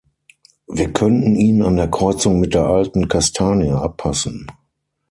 Wir könnten ihn an der Kreuzung mit der alten Kastanie abpassen.